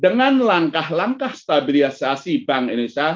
dengan langkah langkah stabilisasi bank indonesia